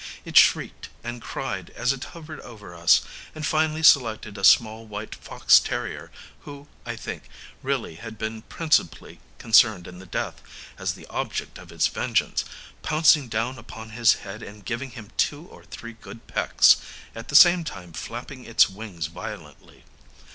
It shrieked and cried, as it hovered over us, and finally selected a small white fox terrier, who, I think, really had been principally concerned in the death, as the object of its vengeance, pouncing down upon his head, and giving him two or three good pecks, at the same time flapping its wings violently.